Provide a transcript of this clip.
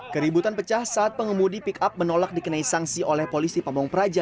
keributan pecah saat pengemudi pick up menolak dikenai sanksi oleh polisi pamung praja